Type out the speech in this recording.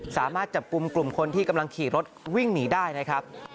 สามารถจับกลุ่มกลุ่มคนที่กำลังขี่รถวิ่งหนีได้นะครับ